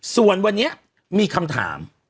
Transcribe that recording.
ส่วนวันนี้มีคำถาม